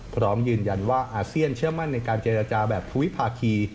พร้อมยืนยันว่าอาเซียนเชื่อมั่นในการเจรจาแบบทวิภาคี